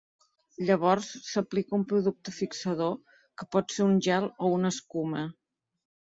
Llavors, s'aplica un producte fixador que pot ser un gel o una escuma.